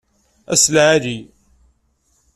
Ass lɛali!